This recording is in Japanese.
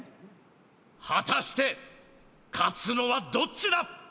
果たして勝つのはどっちだ！？